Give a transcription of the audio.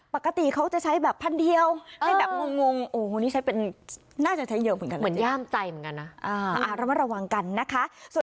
ปกติเขาจะใช้แบบพันเดียวนี้ใช้เป็นน่าจะใช้เยอะเหมือนกันเหมือนย่ามใจรัวรวมกันนะคะ